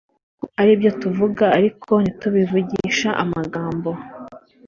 ari byo tuvuga ariko ntitubivugisha amagambo